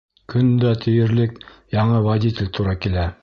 Көн дә тиерлек яңы водитель тура килә.